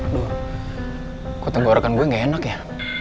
aduh kok tenggorokan gue gak enak ya